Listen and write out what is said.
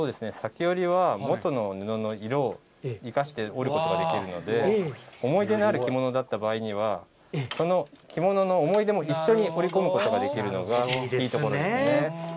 裂き織りは元の布の色を生かして織ることができるので、思い出のある着物だった場合には、その着物の思い出も、一緒に織り込むことができるのがいいところですね。